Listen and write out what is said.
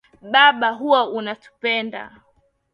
Baba huwa unatupenda.